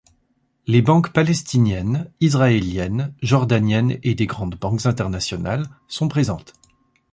Les banques palestiniennes, israéliennes, jordaniennes et des grandes banques internationales sont présentes.